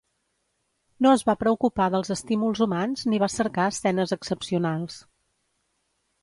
No es va preocupar dels estímuls humans ni va cercar escenes excepcionals.